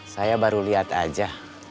saya baru lihat aja